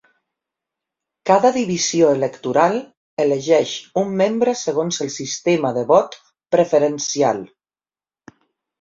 Cada divisió electoral elegeix un membre segons el sistema de vot preferencial.